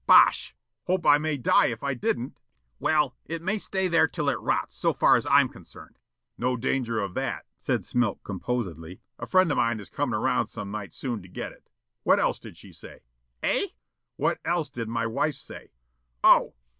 "Bosh!" "Hope I may die if I didn't." "Well, it may stay there till it rots, so far as I am concerned." "No danger of that," said Smilk composedly. "A friend of mine is comin' around some night soon to get it. What else did she say?" "Eh?" "What else did my wife say?" "Oh!